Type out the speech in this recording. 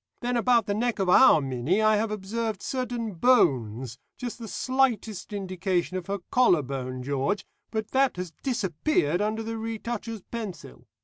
Then about the neck of our Minnie I have observed certain bones, just the slightest indication of her collar bone, George, but that has disappeared under the retoucher's pencil.